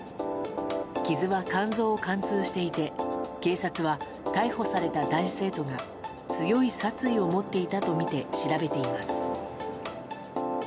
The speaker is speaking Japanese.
傷は肝臓を貫通していて警察は逮捕された男子生徒が強い殺意を持っていたとみて調べています。